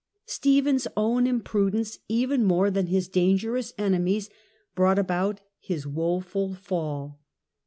Stephen's own imprudence, even more than his dangerous enemies, brought about his woeful fall.